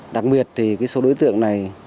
đặc biệt thì cái số đối tượng này